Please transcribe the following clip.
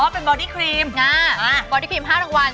เป็นบอดี้ครีมบอดี้ครีม๕รางวัล